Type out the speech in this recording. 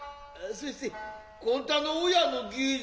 そしてこんたの親の義平次